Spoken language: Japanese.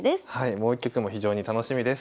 もう一局も非常に楽しみです。